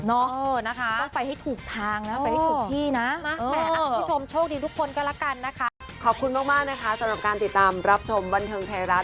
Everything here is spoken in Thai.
เนาะต้องไปให้ถูกทางนะไปให้ถูกที่นะ